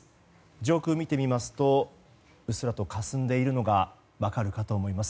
上空、見てみますとうっすらとかすんでいるのが分かるかと思います。